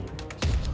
masalahnya apa sih